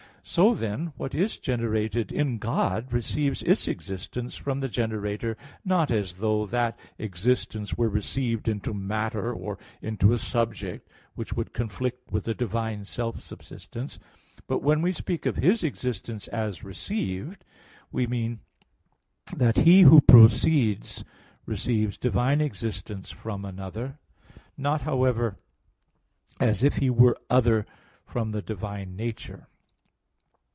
So, then, what is generated in God receives its existence from the generator, not as though that existence were received into matter or into a subject (which would conflict with the divine self subsistence); but when we speak of His existence as received, we mean that He Who proceeds receives divine existence from another; not, however, as if He were other from the divine nature.